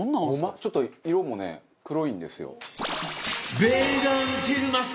ちょっと色もね黒いんですよ。